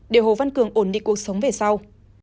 để hồ văn cường ổn định cuộc sống về sau